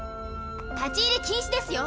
立ち入り禁止ですよ